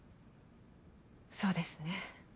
そうですね。